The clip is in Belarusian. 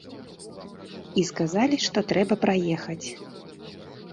І сказалі, што трэба праехаць.